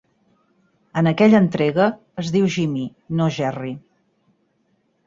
En aquella entrega, es diu Jimmy, no Jerry.